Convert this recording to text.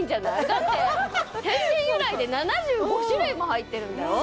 だって天然由来で７５種類も入ってるんだよ？